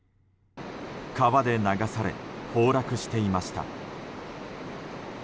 川で流され崩落していました。